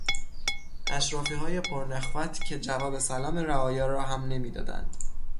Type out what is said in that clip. اشرافیهای پرنخوت که جواب سلام رعایا را هم نمیدادند